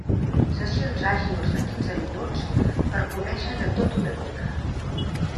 Sessions àgils de quinze minuts per conèixer de tot una mica.